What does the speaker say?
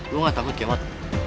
lu gak takut kemat